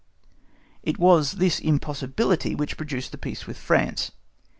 It was this impossibility which produced the peace with France.